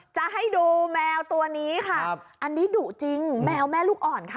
จะให้ดูแมวตัวนี้ค่ะอันนี้ดุจริงแมวแม่ลูกอ่อนค่ะ